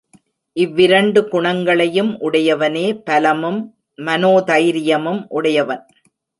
இவ்விரண்டு குணங்களையும் உடையவனே பலமும் மனோதைரியமும் உடையவன்.